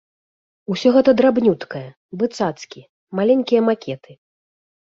Усё гэта драбнюткае, бы цацкі, маленькія макеты.